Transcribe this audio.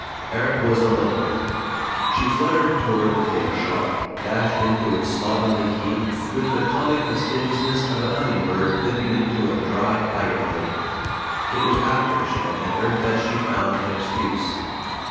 Erik was alone! She fluttered toward the tailor shop, dashed into its slovenly heat with the comic fastidiousness of a humming bird dipping into a dry tiger lily. It was after she had entered that she found an excuse.